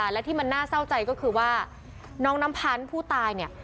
และที่มันน่าเศร้าใจก็คือว่าน้องน้ำพันธ์ผู้ตายเนี่ย